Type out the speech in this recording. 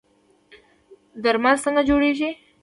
درمل څنګه جوړیږي؟